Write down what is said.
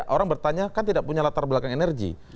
orang bertanya kan tidak punya latar belakang energi